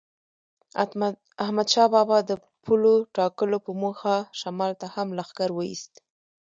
احمدشاه بابا د پولو ټاکلو په موخه شمال ته هم لښکر وایست.